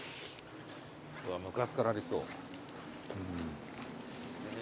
うわ昔からありそう。